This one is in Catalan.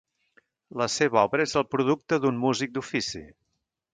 La seva obra és el producte d'un músic d'ofici.